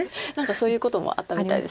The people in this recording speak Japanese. そういうこともあったみたいですね。